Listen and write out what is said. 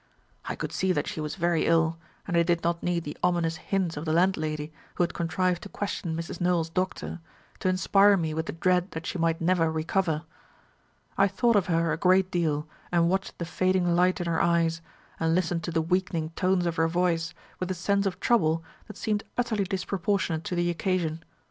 "I could see that she was very ill, and I did not need the ominous hints of the landlady, who had contrived to question Mrs. Nowell's doctor, to inspire me with the dread that she might never recover. I thought of her a great deal, and watched the fading light in her eyes, and listened to the weakening tones of her voice, with a sense of trouble that seemed utterly disproportionate to the occasion.